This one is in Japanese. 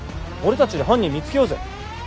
俺たちで犯人見つけようぜ。